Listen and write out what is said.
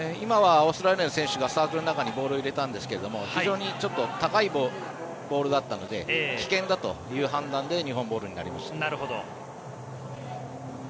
オーストラリアの選手がサークルの中にボールを入れたんですが非常に高いボールだったので危険だという判断で日本ボールになりました。